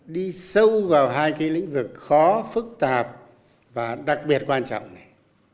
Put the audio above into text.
đi sâu vào hai cái lĩnh vực khó phức tạp và đặc biệt quan trọng này